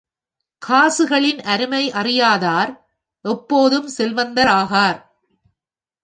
காசுகளின் அருமை அறியாதார், எப்போதும் செல்வந்தர் ஆகார்.